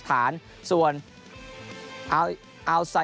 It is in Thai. ของกีกรีสธาน